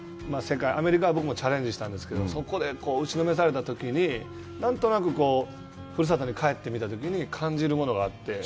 アメリカ、僕もチャレンジしたんですけど、そこで打ちのめされたときに、何となく、こう、ふるさとに帰ってみたときに感じるものがあって。